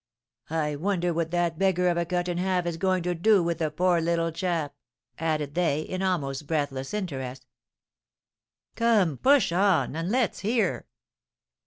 "I wonder what that beggar of a Cut in Half is going to do with the poor little chap!" added they, in almost breathless interest; "come, push on, and let's hear."